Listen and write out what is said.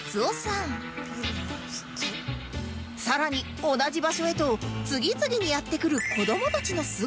更に同じ場所へと次々にやって来る子どもたちの姿